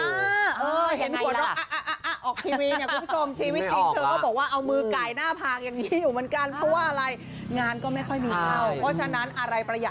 มีชื่อเขาด้วย